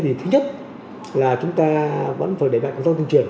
thì thứ nhất là chúng ta vẫn phải để lại công tác tình truyền